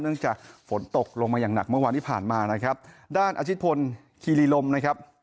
จากฝนตกลงมาอย่างหนักเมื่อวานที่ผ่านมานะครับด้านอาชิตพลคีรีลมนะครับ